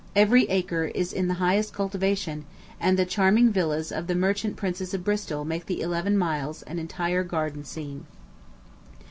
Every acre is in the highest cultivation, and the charming villas of the merchant princes of Bristol make the eleven miles an entire garden scene.